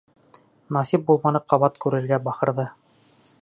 Насип булманы ҡабат күрергә бахырҙарҙы...